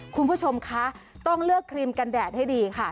คุณผู้ชมคะต้องเลือกครีมกันแดดให้ดีค่ะ